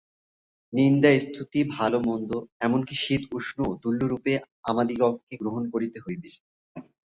নিন্দা-স্তুতি, ভাল-মন্দ, এমন কি শীত-উষ্ণও তুল্যরূপে আমাদিগকে গ্রহণ করিতে হইবে।